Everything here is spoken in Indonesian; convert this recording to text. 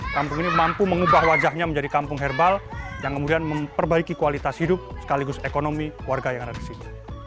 kampung ini mampu mengubah wajahnya menjadi kampung herbal yang kemudian memperbaiki kualitas hidup sekaligus ekonomi warga yang ada di sini